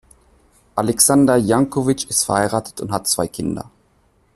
Aleksandar Janković ist verheiratet und hat zwei Kinder.